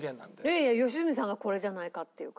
いやいや良純さんが「これじゃないか」って言うから。